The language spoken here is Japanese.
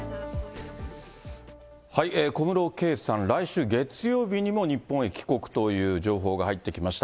小室圭さん、来週月曜日にも日本へ帰国という情報が入ってきました。